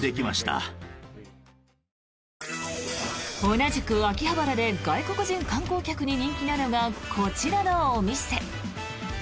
同じく秋葉原で外国人観光客に人気なのがこちらのお店。